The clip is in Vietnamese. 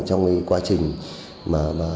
trong cái quá trình mà bị bắt giữ